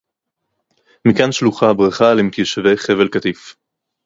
מכאן שלוחה הברכה למתיישבי חבל-קטיף